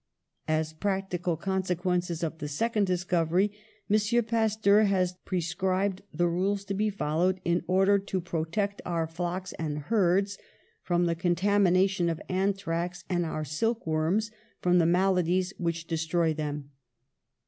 "As practical consequences of the second dis covery, M. Pasteur has prescribed the rules to be followed in order to protect our flocks and THE SOVEREIGNTY OF GENIUS 155 herds from the contamination of anthrax and our silk worms from the maladies which de stroy them.